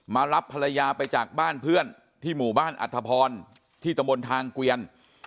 รับภรรยาไปจากบ้านเพื่อนที่หมู่บ้านอัธพรที่ตะบนทางเกวียน